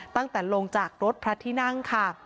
ตั้งแต่ลงจากรถพระที่นั่งค่ะ